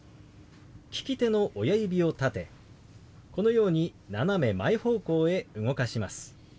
利き手の親指を立てこのように斜め前方向へ動かします。